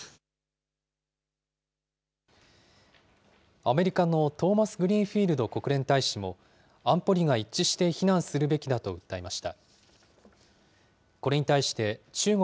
アメリカのトーマスグリーンフィールド国連大使も、安保理が一致して非難するべきだと訴えました。